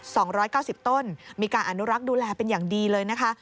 สองร้อยเก้าสิบต้นมีการอนุรักษ์ดูแลเป็นอย่างดีเลยนะคะ